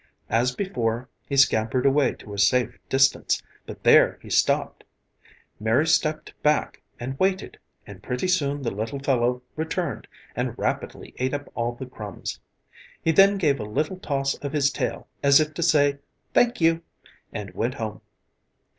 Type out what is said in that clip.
As before, he scampered away to a safe distance, but there he stopped. Mary stepped back and waited and pretty soon the little fellow returned and rapidly ate up all the crumbs. He then gave a little toss of his tail as if to say "thank you," and went home.